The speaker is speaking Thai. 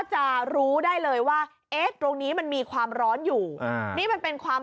จะรู้ได้เลยว่าเอ๊ะตรงนี้มันมีความร้อนอยู่นี่มันเป็นความ